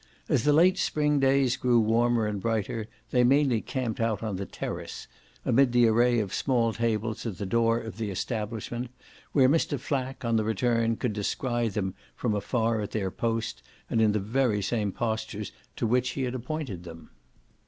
As the late spring days grew warmer and brighter they mainly camped out on the "terrace," amid the array of small tables at the door of the establishment, where Mr. Flack, on the return, could descry them from afar at their post and in the very same postures to which he had appointed them.